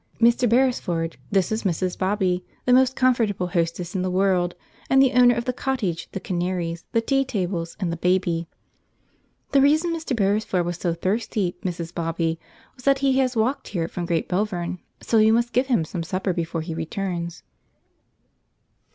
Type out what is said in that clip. Mr. Beresford, this is Mrs. Bobby, the most comfortable hostess in the world, and the owner of the cottage, the canaries, the tea tables, and the baby. The reason Mr. Beresford was so thirsty, Mrs. Bobby, was that he has walked here from Great Belvern, so we must give him some supper before he returns."